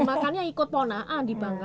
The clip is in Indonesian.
makanan ini ikut ponaan di bangkalan